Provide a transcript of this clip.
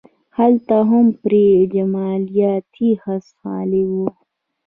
هلته هم پرې جمالیاتي حس غالب و.